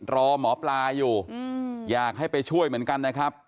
รอหมอปลาอยู่อยากให้ไปช่วยเหมือนกันนะครับ